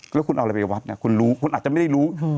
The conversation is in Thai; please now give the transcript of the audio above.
แล้วคุณเอาอะไรไปวัดคุณอาจจะไม่ได้รู้